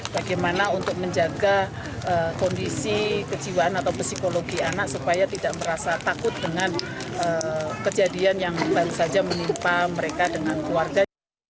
bagaimana untuk menjaga kondisi kejiwaan atau psikologi anak supaya tidak merasa takut dengan kejadian yang baru saja menimpa mereka dengan keluarga